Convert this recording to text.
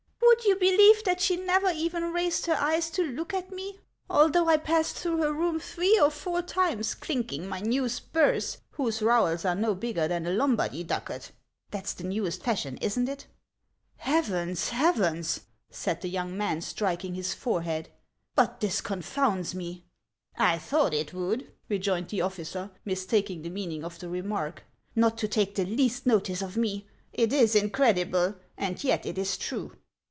Would you believe that she never even raised her eyes to look at me, although I passed through her room three or four times clinking my new spurs, whose rowels are no bigger than a Lombard y ducat ? That 's the newest fashion, is n't it ?" "Heavens! Heavens!" said the young man, striking his forehead ;<; but this confounds me !" "I thought it would!" rejoined the officer, mistaking the meaning of the remark. " Xot to take the least notice of me ! It is incredible, and yet it is true."